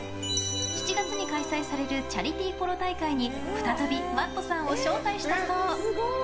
７月に開催されるチャリティーポロ大会に再びＭａｔｔさんを招待したそう。